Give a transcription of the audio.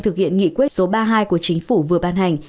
thực hiện nghị quyết số ba mươi hai của chính phủ vừa ban hành